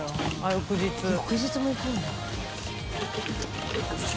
翌日も行くんだ。大島）